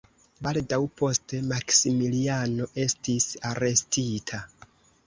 Baldaŭ poste Maksimiliano estis arestita.